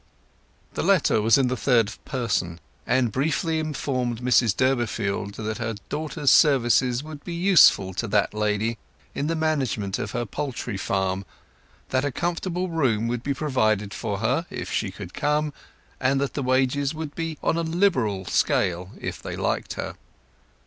The letter was in the third person, and briefly informed Mrs Durbeyfield that her daughter's services would be useful to that lady in the management of her poultry farm, that a comfortable room would be provided for her if she could come, and that the wages would be on a liberal scale if they liked her.